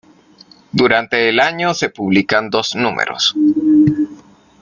Durante el año se publican dos números.